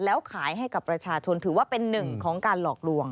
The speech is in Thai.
แล้วขายให้กับประชาชนถือว่าเป็นหนึ่งของการหลอกลวง